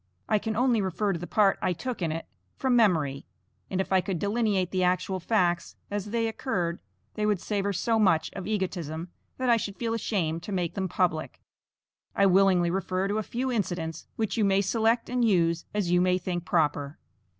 I can only refer to the part I took in it from memory, and if I could delineate the actual facts as they occurred they would savor so much of egotism that I should feel ashamed to make them public. I willingly refer to a few incidents which you may select and use as you may think proper.